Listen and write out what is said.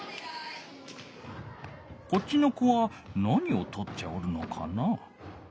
こっちの子は何をとっておるのかな？